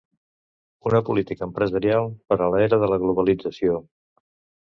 Una política empresarial per a l'era de la globalització.